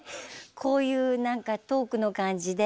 こういう何かトークの感じで。